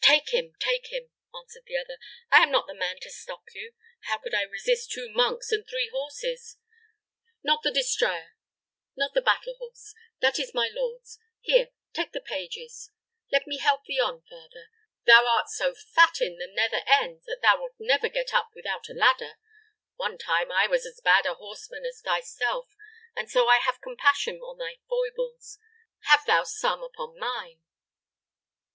"Take him, take him," answered the other. "I am not the man to stop you. How could I resist two monks and three horses. Not the destrier not the battle horse. That is my lord's. Here, take the page's. Let me help thee on, father. Thou art so fat in the nether end that thou wilt never get up without a ladder. One time I was as bad a horseman as thyself, and so I have compassion on thy foibles. Have thou some upon mine."